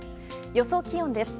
予想気温です。